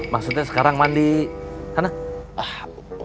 maksudnya sekarang mandi kang